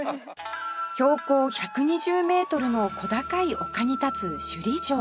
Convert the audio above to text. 標高１２０メートルの小高い丘に立つ首里城